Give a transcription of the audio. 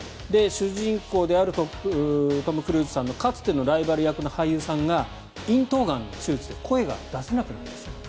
主人公であるトム・クルーズさんのかつてのライバル役の俳優さんが咽頭がんの手術で声が出せなくなってしまった。